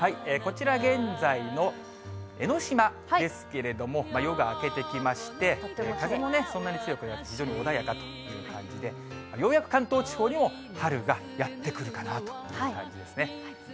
こちら、現在の江の島ですけれども、夜が明けてきまして、風もそんなに強くなく、非常に穏やかという感じで、ようやく関東地方にも春がやって来るかなという感じですね。